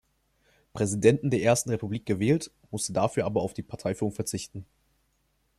Präsidenten der Ersten Republik gewählt, musste dafür aber auf die Parteiführung verzichten.